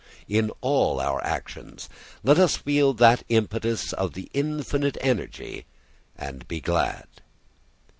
] In all our actions let us feel that impetus of the infinite energy and be glad.